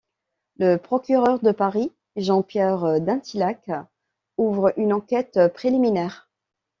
Le procureur de Paris, Jean-Pierre Dinthilhac, ouvre une enquête préliminaire.